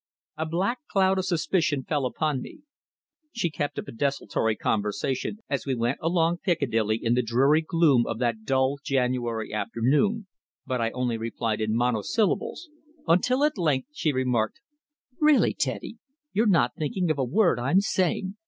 A black cloud of suspicion fell upon me. She kept up a desultory conversation as we went along Piccadilly in the dreary gloom of that dull January afternoon, but I only replied in monosyllables, until at length she remarked: "Really, Teddy, you're not thinking of a word I'm saying.